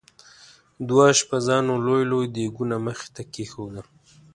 دوه اشپزانو لوی لوی دیګونه مخې ته کېښودل.